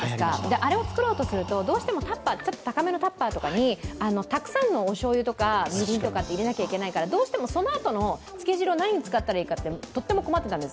あれを作ろうとするとどうしても高めのタッパーとかにたくさんのおしょうゆとかみりんとか入れなきゃいけないからどうしてもそのあとのつけ汁を何に使ったらいいかってとっても困ったんです。